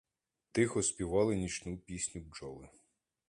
Тихо співали нічну пісню бджоли.